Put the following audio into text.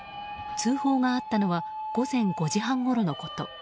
通報があったのは午前５時半ごろのこと。